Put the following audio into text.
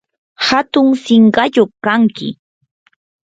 hatun sinqayuq kanki.